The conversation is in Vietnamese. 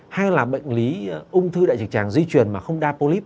hay là bệnh lý ung thư đại trực tràng di chuyển mà không đa polyp